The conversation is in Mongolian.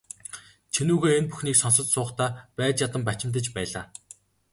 Чинүүхэй энэ бүхнийг сонсож суухдаа байж ядан бачимдаж байлаа.